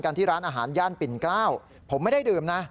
ที่ร้านอาหารย่านปิ่นเกล้าวผมไม่ได้ดื่มนะ